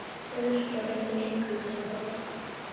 What a stubborn little goose I was.